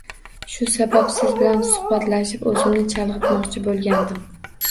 Shu sabab siz bilan suhbatlashib, o`zimni chalg`itmoqchi bo`lgandim